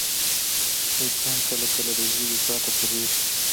انسان کله کله د ژبې پرته پوهېږي.